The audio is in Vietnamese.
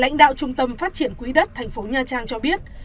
lãnh đạo trung tâm phát triển quý đất tp nha trang cho biết